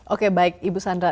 oke baik ibu sandra